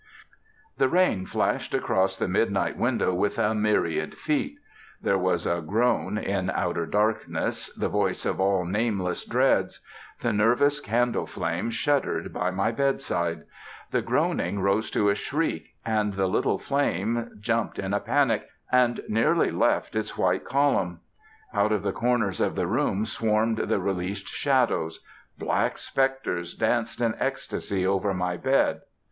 The rain flashed across the midnight window with a myriad feet. There was a groan in outer darkness, the voice of all nameless dreads. The nervous candle flame shuddered by my bedside. The groaning rose to a shriek, and the little flame jumped in a panic, and nearly left its white column. Out of the corners of the room swarmed the released shadows. Black specters danced in ecstasy over my bed.